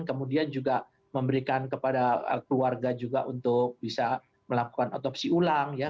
kemudian juga memberikan kepada keluarga juga untuk bisa melakukan otopsi ulang ya